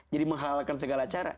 jadi menghalalkan segala cara